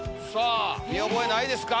見覚えないですか？